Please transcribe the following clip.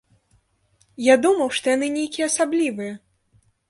Я думаў, што яны нейкія асаблівыя?